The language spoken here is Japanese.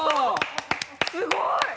すごい！